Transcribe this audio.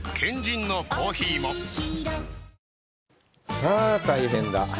さあ、大変だ。